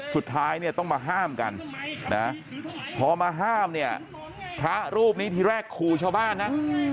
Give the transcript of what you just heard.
สุดท้ายเนี่ยต้องมาห้ามกันนะพอมาห้ามเนี่ยพระรูปนี้ทีแรกขู่ชาวบ้านนะ